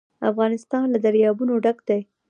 افغانستان له دریابونه ډک دی.